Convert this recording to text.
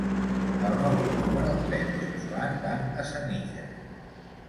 El nou d'octubre en Pep i en Joan van a Senija.